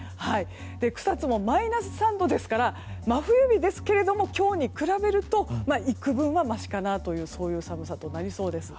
草津もマイナス３度ですから真冬日ですけれども今日に比べると幾分はましかなという寒さとなりそうです。